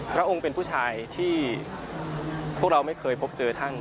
พระองค์เป็นผู้ชายที่พวกเราไม่เคยพบเจอท่าน